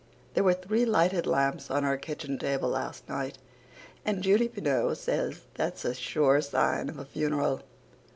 "There were three lighted lamps on our kitchen table last night, and Judy Pineau says that's a sure sign of a funeral."